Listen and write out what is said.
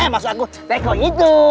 masuk aku teko itu